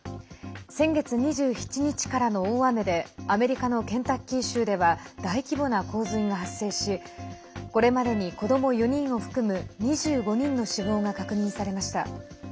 先月２７日からの大雨でアメリカのケンタッキー州では大規模な洪水が発生しこれまでに子ども４人を含む２５人の死亡が確認されました。